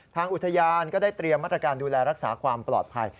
ทางอุทยานก็ได้เตรียมมาตรการดูแลรักษาความปลอดภัย